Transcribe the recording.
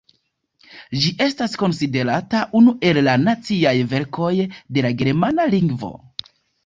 Ĝi estas konsiderata unu el la naciaj verkoj de la germana lingvo.